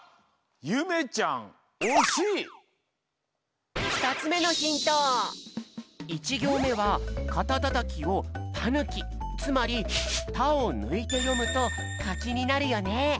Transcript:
ゆめちゃんふたつめの１ぎょうめは「かたたたき」を「たぬき」つまり「た」をぬいてよむと「かき」になるよね。